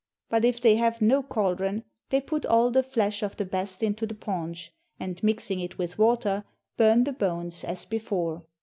But if they have no caldron, they put all the flesh of the best into the paunch, and mixing it with water, burn the bones as before.